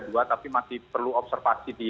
dua tapi masih perlu observasi di